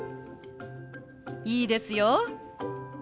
いいですよ！